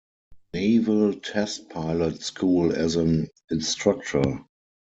Naval Test Pilot School as an instructor.